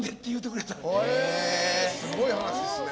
すごい話っすね。